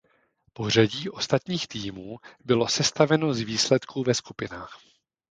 Pořadí ostatních týmů bylo sestaveno z výsledků ve skupinách.